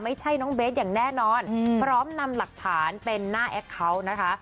ไม่ใช่น้องเบสอย่างแน่นอนพร้อมนำหลักฐานเป็นหน้าแอคเคาน์นะคะ